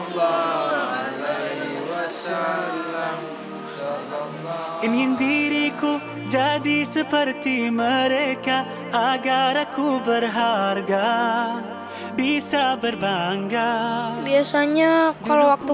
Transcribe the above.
bingung diriku jadi seperti mereka agar aku berharga bisa berbangga biasanya kalau waktu